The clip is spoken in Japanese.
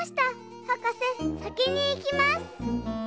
はかせさきにいきます。